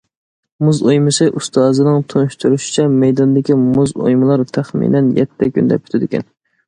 مۇز ئويمىسى ئۇستازىنىڭ تونۇشتۇرۇشىچە، مەيداندىكى مۇز ئويمىلار تەخمىنەن يەتتە كۈندە پۈتىدىكەن.